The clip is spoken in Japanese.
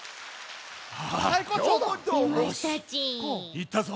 いったぞ。